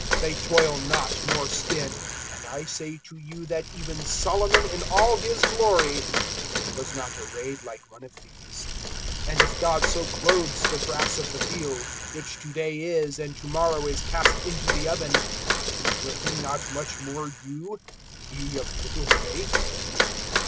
They toil not, nor spin; (29)and I say to you, that even Solomon in all his glory was not arrayed like one of these. (30)And if God so clothes the grass of the field, which to day is, and to morrow is cast into the oven, will he not much more you, ye of little faith?